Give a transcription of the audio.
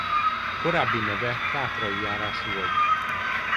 Korábbi neve Tátrai járás volt.